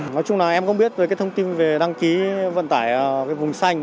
nói chung là em không biết về cái thông tin về đăng ký vận tải cái vùng xanh